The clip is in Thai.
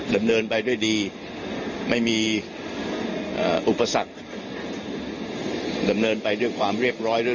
ดำเนินไปด้วยดีไม่มีอุปสรรคดำเนินไปด้วยความเรียบร้อยด้วย